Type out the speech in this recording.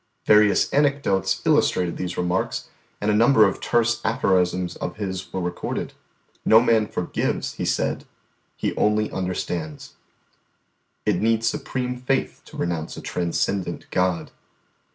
Various anecdotes illustrated these remarks, and a number of terse aphorisms of his were recorded. "No man forgives," he said; "he only understands." "It needs supreme faith to renounce a transcendent God."